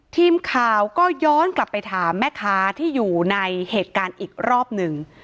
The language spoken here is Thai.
ทีมข่าวก็ย้อนกลับไปถามแม่ค้าที่อยู่ในเหตุการณ์อีกรอบหนึ่ง